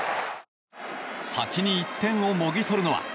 先に１点をもぎ取るのは。